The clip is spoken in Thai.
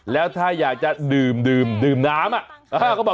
แล้วถ้าอยากจะดื่มน้ำ